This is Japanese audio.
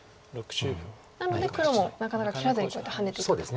なので黒もなかなか切らずにこうやってハネていくと。